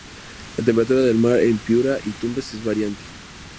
La temperatura del mar en Piura y Tumbes es variante.